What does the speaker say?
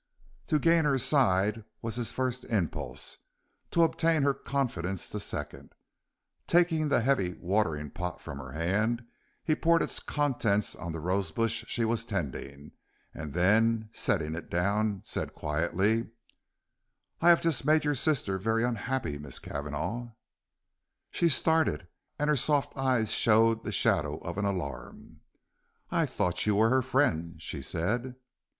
To gain her side was his first impulse. To obtain her confidence the second. Taking the heavy watering pot from her hand, he poured its contents on the rose bush she was tending, and then setting it down, said quietly: "I have just made your sister very unhappy, Miss Cavanagh." She started and her soft eyes showed the shadow of an alarm. "I thought you were her friend," she said.